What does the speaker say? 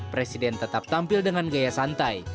presiden tetap tampil dengan gaya santai